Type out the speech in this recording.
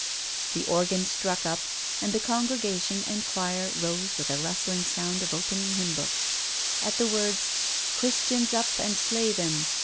The organ struck up, and the congregation and choir rose with a rustling sound of opening hymn books. At the words " Christians up and slay them.